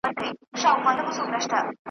ستا په غاړه کي مي لاس وو اچولی .